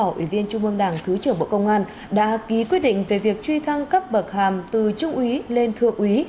ủy viên trung ương đảng thứ trưởng bộ công an đã ký quyết định về việc truy thăng cấp bậc hàm từ trung úy lên thượng úy